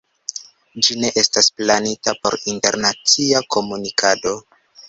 Ĝi ne estas planita por internacia komunikado.